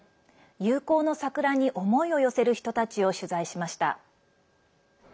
友好の桜に思いを寄せる人たちを取材しました。